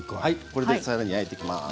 これでさらに焼いていきます。